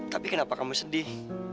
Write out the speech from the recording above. tapi kenapa kamu sedih